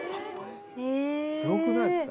すごくないですか？